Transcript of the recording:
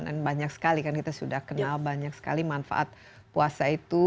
dan banyak sekali kan kita sudah kenal banyak sekali manfaat puasa itu